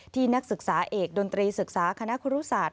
นักศึกษาเอกดนตรีศึกษาคณะครูรุศาสต